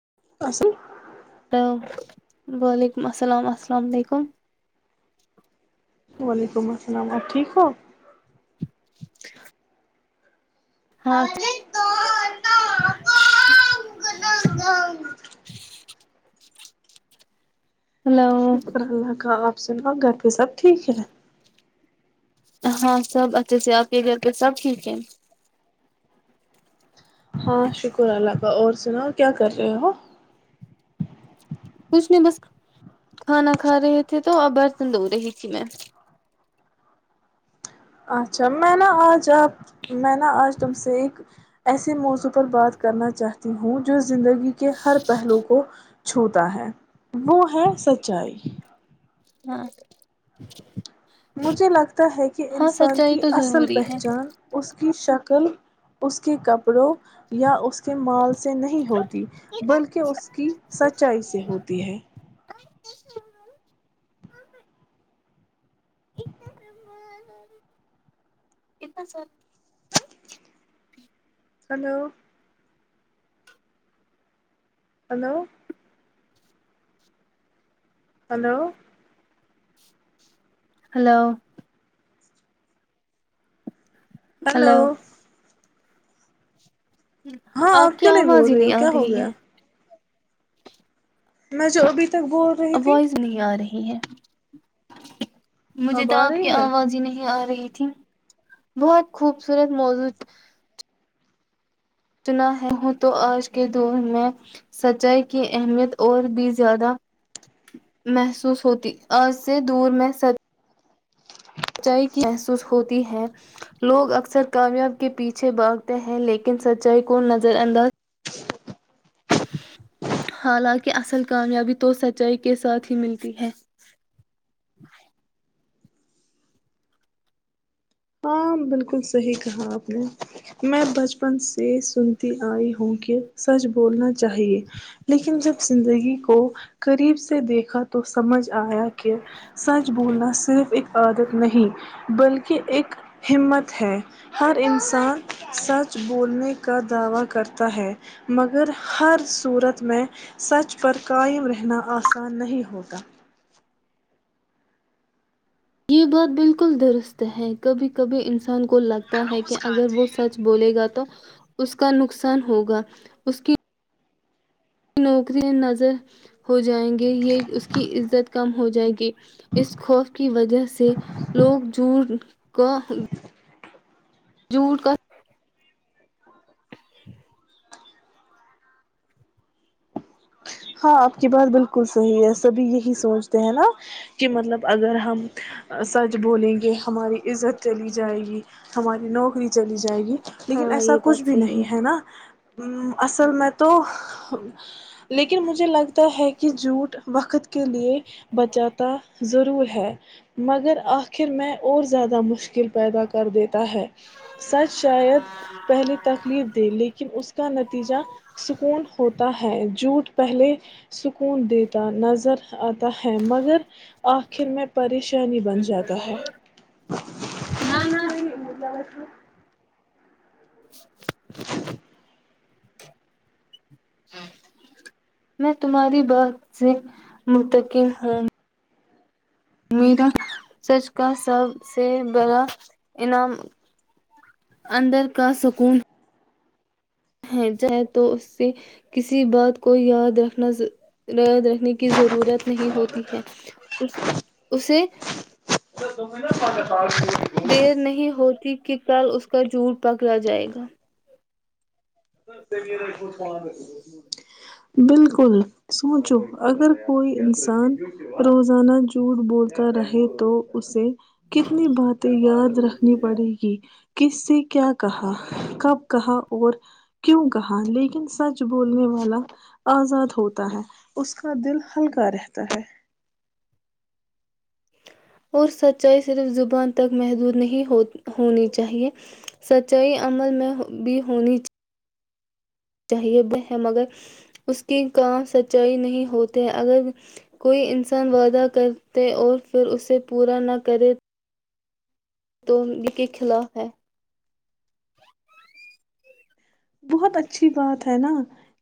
[unintelligible] hello وعلیکم السلام السلام علیکم وعلیکم السلام آپ ٹھیک ہو [unintelligible] [unintelligible] [unintelligible] ہلو شکر اللہ کا آپ سنا گھر پہ سب ٹھیک ہے ہاں سب اچھے سے آپ کے گھر پہ سب ٹھیک ہے ہاں شکر اللہ اور سنا کیا کر رہے ہو کچھ نہیں بس کھانا کھا رہے تھے تو اب برتن دھو رہی تھی میں اچھا میں نا آج آپ میں نا آج تم سے ایک ایسے موضوع پر بات کرنا چاہتی ہوں جو زندگی کہ ہر پہلو کو چھوتا ہے وہ ہے سچائی ہاں مجھے لگتا ہے کہ ہاں انسان سچائی کی تو اصل ضروری ہے پہچان اس کی شکل ک اس کے کپڑوں یا اس کے مال سے نہیں ہوتی بلکہ اس کی سچائی سے ہوتی ہے [unintelligible] [inaudible] کتنا sir [unintelligible] hello [unintelligible] hello hello [unintelligible] hello [unintelligible] hello [unintelligible] ہاں آپ کی کیوں آواز بول ہی ہو نہیں آ کیا ہو رہی ہے گیا میں جو ابھی [unintelligible] تک بول رہی تھی [unintelligible] ٹ ہے [unintelligible] مجھے اب تو آ آپ کی رہی ہے آواز ہی نہیں آ رہی تھی بہت خوبصورت موضو چنا ہے ہوں تو آج کے دور میں سچائی کی اہمیت اور بھی زیادہ محسوس ہوتی آج سے دور میں سچائی کی محسوس ہوتی ہے لوگ اکثر کامیاب کے پیچھے بھاگتے ہیں لیکن سچائی کو نظر انداز جی [unintelligible] حالانکہ اصل کامیابی تو سچائی کے ساتھ ہی ملتی ہے [inaudible] ہاں بالکل صحیح کہا آپ نے میں بچپن سے سنتی آئی ہوں کہ سچ بولنا چاہیے لیکن جب زندگی کو قریب سے دیکھا تو سمجھ آیا کہ سچ بولنا صرف ایک عادت نہیں بلکہ ایک [inaudible] یہ بات بالکل درست ہے کبھی کبھی ان سا ان کو لگتا ہے کہ اگر وہ سچ بولے گا تو اس کا نقصان ہوگا اس کی نوکریاں نظر ہو جائیں گے یہ اس کی عزت کم ہو جائے گی اس خوف کی وجہ سے لوگ جڑ کا جھوٹ کا ہاں آپ کی بات بالکل صحیح ہے سبھی یہی سوچتے ہیں نا کہ مطلب اگر ہم سچ بولیں گے ہماری عزت چلی جائے گی ہماری نوکری چلی جائے جائے گی لیکن ہاں ایسا یہ کچھ بات بھی صحیح نہیں ہے نا ا اصل میں تو لیکن مجھے لگتا ہے کہ جھوٹ وقت کے لیے بچاتا ضرور ہے مگر آخر میں اور زیادہ مشکل پیدا کر دیتا ہے سچ شاید پہلے تکلیف دے لیکن اس کا نتیجہ سکون ہوتا ہے جو چھٹ پہلے سکون دیتے نظر آتا ہے مگر آخر میں پریشانی بن جاتا ہے نہ نہ [inaudible] میں تمہاری بات سے منتقل ہوں میرا سچ کا سب سے بڑا انعام اندر کا سکون ہیں جائے تو اس سے کسی بات کو یاد رنا یاد رکھنے کی ضرورت نہیں ہوتی ہے اسے [inaudible] دیر نہیں ہوتی کے کال اس کا جٹ پکڑا جائے گا بالکل سوچو اگر کوئی انسان روزانہ جھوٹ بولتا رہے تو اسے کتنی باتیں یاد رکھنی پڑے گی کس سے کیا کہا کب کہا اور کیوں کہا لیکن سچ بولنے والا آزاد ہوتا ہے اس کا دل ہلکا رہتا ہے اور سچائی صرف زبان تک محدود نہیں ہونی چاہیئے سچائی عمل میں بھی ہونی چ چاہیے ہے مگر اس کی کام سچائی نہیں ہوتے اگر کوئی انسان وعدہ کرتے اور پھر اسے پورا نہ کرے تو انب کے خلاف ہے بہت اچھی بات ہے نا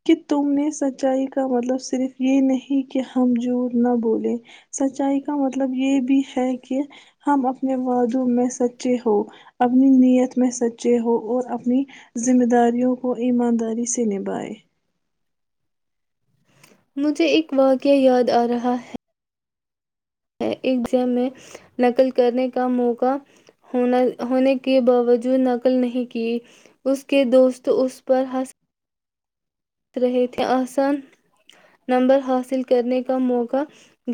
کہ تم نے سچائی کا مطلب صرف یہ نہیں کہ ہم جوٹ نہ بولے سچائی کا مطلب یہ بھی ہے کہ ہم اپنے وعادوں میں سچے ہو اپنی نیت میں سچے ہو اور اپنی ذمہ داری وں کو ایمانداری سے نبھائے مجھے اک واقعہ یاد آ رہا ہے ایگزام میں نقل کرنے کا موقع ہونے کے باوجود نقل نہیں کی اس کے دوست اس پر ہنس رہے تھے آسان نمبر حاصل کرنے کا موقع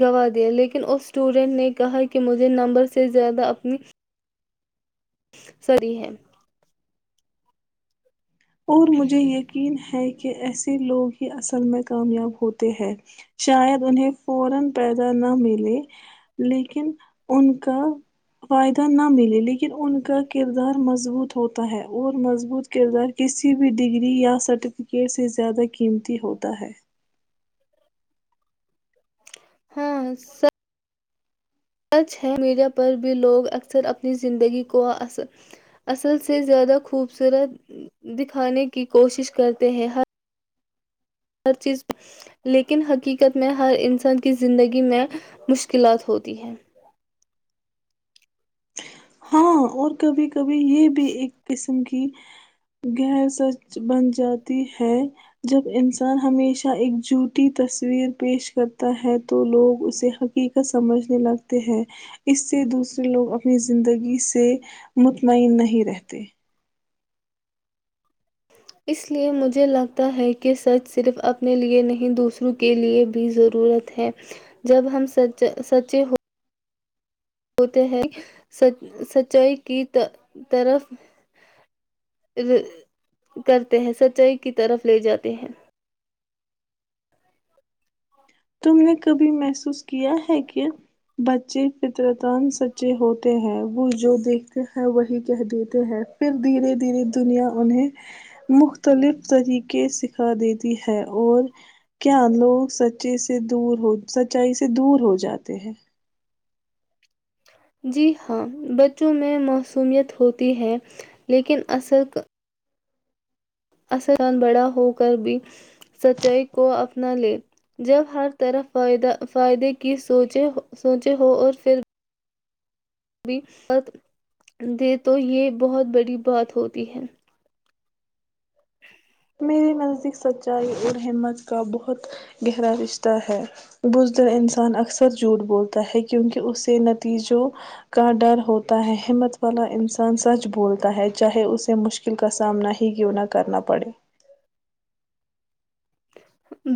گنوا دیا لیکن اس اسٹوڈنٹ نے کہا کہ مجھے نمبر سے زیادہ اپنی سری ہیں [inaudible] کسی بھی ڈگری یا سرٹیفکیٹ سے زیادہ قیمتی ہوتا ہے ہاں س ہچ ہے میڈیا پر بھی لوگ اکثر اپنی زندگی کو اصل سے زیادہ خوبصورت دکھانے کی کوشش کرتے ہیں ہر چیز لیکن حقیقت میں ہر انسان کی زندگی میں مشکلات ہوتی ہیں ہاں اور کبھی کبھی یہ بھی ایک قسم کی گہر سچ بن جاتی ہے جب انسان ہمیشہ ایک جوٹی تصویر پیش کرتا ہے تو لوگ اسے حقیقت سمجھنے لگتے ہیں اس سے دوسرے لوگ اپنی زندگی سے مطمئن نہیں رہتے [unintelligible] اس لے مجھے لگتا ہے کہ سچ صرف اپنے لئے نہیں دوسروں کے لئے بھی ضرورت ہے جب ہم سچے ہ ہوتے ہیں سچائی کی طف کرتے ہیں سچائی کی طرف لے جاتے ہیں [unintelligible] تم نے کبھی محسوس کیا ہے کہ بچے فطرتان سچے ہوتے ہیں وہ جو دیکھتے ہیں وہی کہہ دیتے ہیں پھر دھیرے دھیرے دنیا انہیں مختلف طریقے سکھا دیتی ہے اور کیا لوگ س سے دور ہو سچائی سے دور ہو جاتے ہیں [unintelligible] جی ہاں بچوں میں موسومیت ہوتی ہے لیکن اصل اسلان بڑا ہو کر بھی سچائی کو اپنا لے جب ہر طرف فائدے کی سوچے ہوں اور پھر مت دے تو یہ بہت بڑی بات ہوتی ہے [unintelligible] میرے نزدیک سچائی اور ہمت کا بہت گہرا رشتہ ہے بزر انسان اکثر جھوٹ بولتا ہے کیونکہ اسے نتیجوں کا ڈر ہوتا ہے ہمت والا انسان سچ بولتا ہے چاہے اسے مشکل کا سامنا ہی کیوں نہ [unintelligible] کرنا پڑے [unintelligible]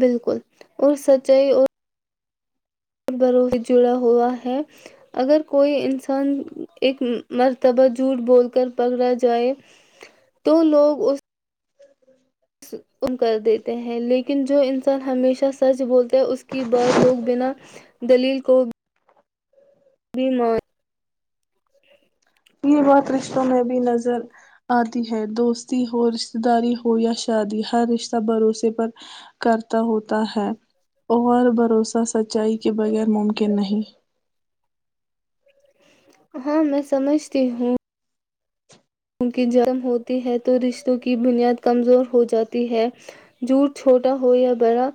بالکل اور سچائی اور بھرو جڑا ہوا ہے اگر کوئی انسان ایک مرتبہ جھوٹ بول کر پکڑا جائے تو لوگ اس [unintelligible] م کر دیتے ہیں لیکن جو انسان ہمیشہ سچ بولتا ہے اس کی بات لوگ بنا دلیل کو بیم [unintelligible] یہ بات رشتوں میں بھی نظر آتی ہے دوستی ہو رشتتے داری ہو یا شادی ہر رشتہ بھروسے پر کرتا ہوتا ہے اور بھروسہ سچائی کے بغیر ممکن نہیں [unintelligible] ہاں میں سمجھتی ہوں کیونکہ جرم ہوتی ہے تو رشتوں کی بنیاد کمزور ہو جاتی ہے جھوٹ چھوٹا ہو یا بڑا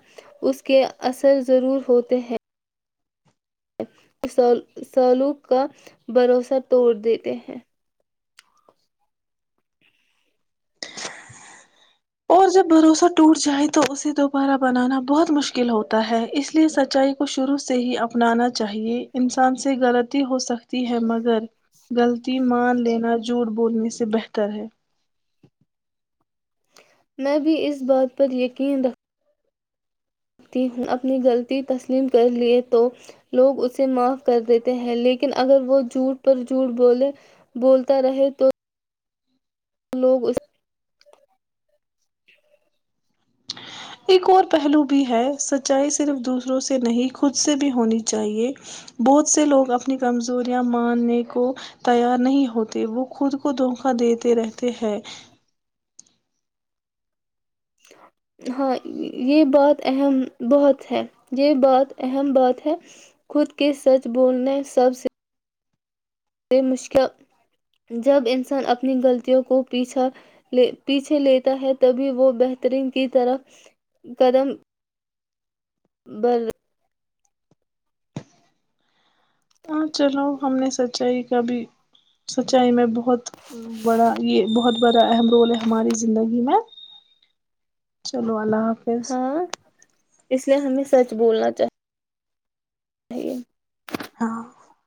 اس کے اثر ضرور ہوتے ہیں سولوق کا بھروسہ توڑ دیتے ہیں [unintelligible] اور جب بھروسہ ٹوٹ جائے تو اسے دوبارہ بنانا بہت مشکل ہوتا ہے اس لیے سچائی کو شروع سے ہی اپنانا چاہیے انسان سے غلطی ہو سکتی ہے مگر [unintelligible] غلط مان لینا جھوٹ بولنے سے بہتر ہے [unintelligible] میں بھی اس بات پر یقین رکھوں تی اپنی غلطی تسلیم کر لیے تو لوگ اسے معاف کر دیتے ہیں لیکن اگر وہ جھوٹ پر جھوٹ بولے بولتا رہے تو لوگ اس [unintelligible] ایک اور پہلو بھی ہے سچائی صرف دوسروں سے نہیں خود سے بھی ہونی چاہیے بہت سے لوگ اپنی کمزوریاں ماننے کو تیار نہیں ہوتے وہ خود کو کو دھوکا دیتے رہتے ہیں [unintelligible] ہاں یہ بات اہم بہت ہے یہ بات اہم بات ہے خود کے سچ بولنے سب سے [unintelligible] بے مشکل جب انسان اپنی غلطیوں کو پیچھے لیتا ہے تبھی وہ بہترین کی طرح قدم بر [unintelligible] ہاں چلو ہم نے سچائی کا بھی سچائی میں بہت بڑا یہ بہت بڑا اہم رول ہے ہماری زندگی میں چلو اللہ حافظ ہاں اس لیے ہمیں سچ بولنا تھا [unintelligible] نہیں ہے [unintelligible] ہاں [unintelligible]